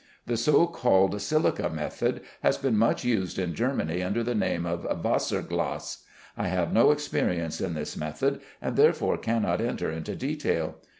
The so called silica method has been much used in Germany under the name of Wasserglas. I have no experience in this method, and therefore cannot enter into detail.